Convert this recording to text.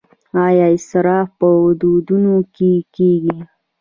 آیا اسراف په ودونو کې کیږي؟